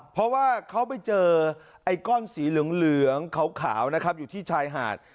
เพราะว่าเขาไปเจอไอ้ก้อนสีเหลืองขาวนะครับอยู่ที่ชายหาด